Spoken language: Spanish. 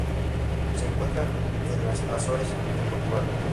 Se encuentra en las Azores en Portugal.